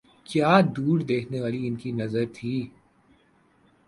کیا دور دیکھنے والی ان کی نظر تھی۔